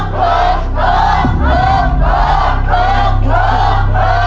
ขอบคุณค่ะ